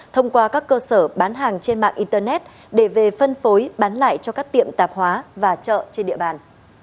thông qua các cơ sở bán hàng trên mạng internet để về phân phối bán lại cho các tiệm tạp hóa và chợ trên địa bàn